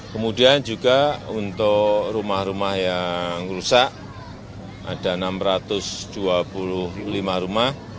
kemudian juga untuk rumah rumah yang rusak ada enam ratus dua puluh lima rumah